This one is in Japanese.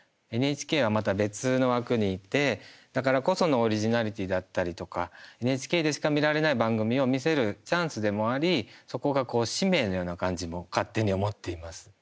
ＮＨＫは、また別の枠にいてだからこそのオリジナリティーだったりとかＮＨＫでしか見られない番組を見せるチャンスでもありそこが使命のような感じも勝手に思っています。